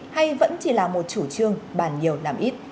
hay vẫn chỉ là một chủ trương bàn nhiều làm ít